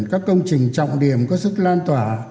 các công trình trọng điểm có sức lan tỏa